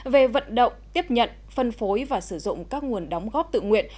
về vận động tiếp nhận phân phối và sử dụng các nguồn đóng góp tự nguyện